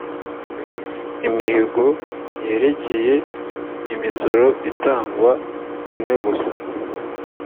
imihigo yerekeye imisoro itangwa rimwe gusa